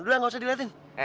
tidak perlu dilihat